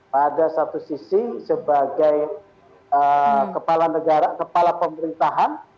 pada satu sisi sebagai kepala negara kepala pemerintahan